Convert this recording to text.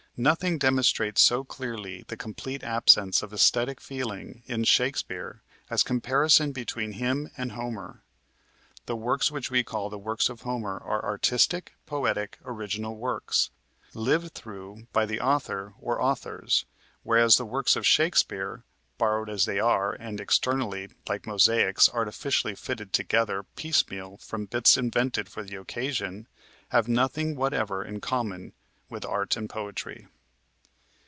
Nothing demonstrates so clearly the complete absence of esthetic feeling in Shakespeare as comparison between him and Homer. The works which we call the works of Homer are artistic, poetic, original works, lived through by the author or authors; whereas the works of Shakespeare borrowed as they are, and, externally, like mosaics, artificially fitted together piecemeal from bits invented for the occasion have nothing whatever in common with art and poetry.